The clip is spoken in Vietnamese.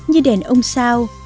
như đèn ông sao